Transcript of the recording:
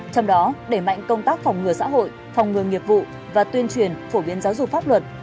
trong đó đẩy mạnh công tác phòng ngừa xã hội phòng ngừa nghiệp vụ và tuyên truyền phổ biến giáo dục pháp luật